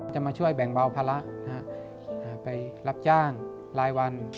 จะมาช่วยแบ่งเบาภาระไปรับจ้างรายวัน